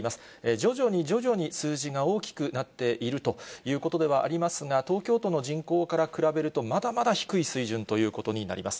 徐々に徐々に数字が大きくなっているということではありますが、東京都の人口から比べると、まだまだ低い水準ということになります。